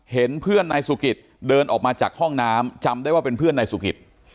เห็นเพื่อนนายสุกิตเดินออกมาจากห้องน้ำจำได้ว่าเป็นเพื่อนนายสุกิต